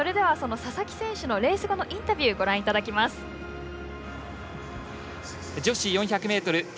佐々木選手のレース後のインタビュー女子４００ｍＴ